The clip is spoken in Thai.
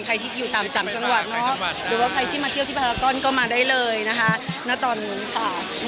ใครที่อยู่ตามสามจังหวัดเนาะหรือว่าใครที่มาเที่ยวที่พารากอนก็มาได้เลยนะคะณตอนนี้ค่ะ